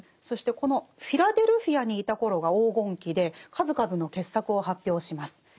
そしてこのフィラデルフィアにいた頃が黄金期で数々の傑作を発表します。